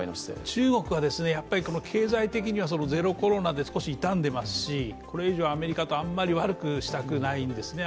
中国はやっぱり経済的にはゼロコロナで少し痛んでいますし、これ以上アメリカと悪くしたくないんですね。